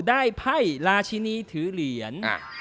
ไพ่ราชินีถือเหรียญ